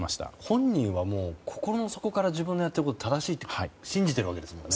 本人は心の底から自分のやってることは正しいと信じているわけですもんね。